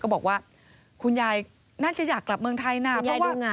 เขาบอกว่าคุณยายน่าจะอยากกลับเมืองไทยน่ะคุณยายดูเหงา